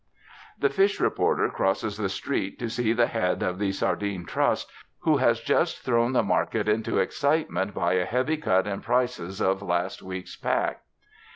The fish reporter crosses the street to see the head of the Sardine Trust, who has just thrown the market into excitement by a heavy cut in prices of last year's pack.